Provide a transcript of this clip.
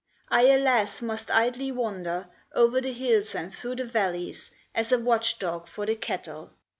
I, alas! must idly wander O'er the hills and through the valleys, As a watch dog for the cattle!"